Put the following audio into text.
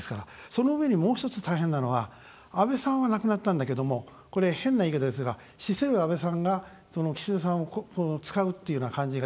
その上に、もう１つ大変なのは安倍さんは亡くなったんだけどもこれ、変な言い方ですが死せる安倍さんが岸田さんを使うっていうような感じが出てくる。